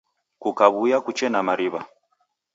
Kukuaw'uya kuche na mariw'a